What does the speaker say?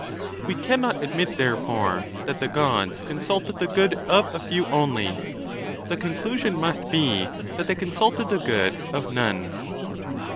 We cannot admit, therefore, that the Gods consulted the good of a few only ; the conclusion must be that they consulted the good of none.